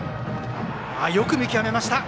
よく見極めました。